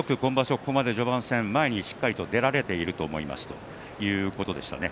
ここまで序盤戦前にしっかりと出られていると思いますということでしたね。